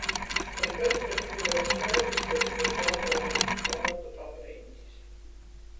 "Un perspektīvē ir skaidrs, ka ir jāpāriet uz vārdu "apriņķis"."